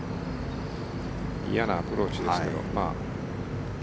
嫌なアプローチですけど。